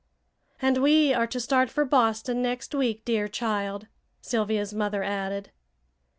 "And we are to start for Boston next week, dear child," Sylvia's mother added.